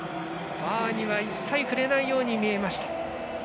バーには一切触れないように見えました。